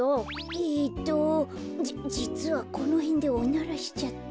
えっとじじつはこのへんでおならしちゃって。